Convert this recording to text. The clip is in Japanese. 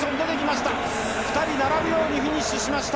２人並ぶようにフィニッシュしました。